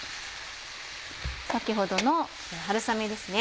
先ほどの春雨ですね。